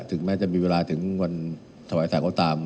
ถึงแม้จะมีเวลาถึงวันสวัสดีสักเขาตาม